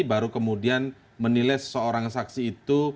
baru kemudian menilai seorang saksi itu